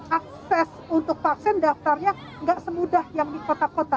akses untuk vaksin daftarnya nggak semudah yang di kota kota